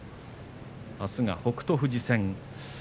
あすは北勝富士戦。